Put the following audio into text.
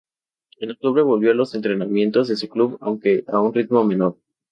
En octubre volvió a los entrenamientos de su club, aunque a un ritmo menor.